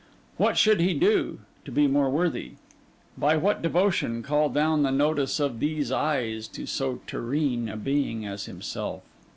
What should he do, to be more worthy? by what devotion, call down the notice of these eyes to so terrene a being as himself?